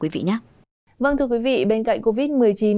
vâng thưa quý vị bên cạnh covid một mươi chín